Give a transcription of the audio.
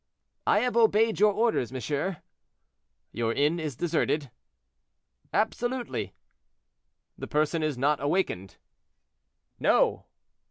"I have obeyed your orders, monsieur." "Your inn is deserted?" "Absolutely." "The person is not awakened?" "No."